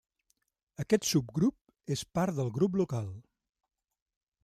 Aquest subgrup és part del Grup Local.